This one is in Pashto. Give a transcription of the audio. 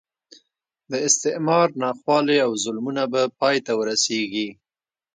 د استعمار ناخوالې او ظلمونه به پای ته ورسېږي.